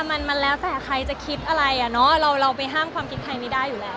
มันแล้วแสดงใครจะคิดอะไรเราไปห้ามความคิดใครไม่ได้อยู่แล้ว